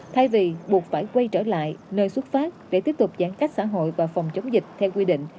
thay vì buộc phải quay trở lại nơi xuất phát để tiếp tục giãn cách xã hội và phòng chống dịch theo quy định